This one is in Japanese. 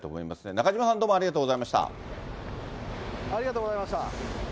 中島さん、どうもありがとうござありがとうございました。